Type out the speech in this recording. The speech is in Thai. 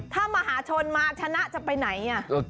ถ้ามหาชนมาชนะจะไปไหน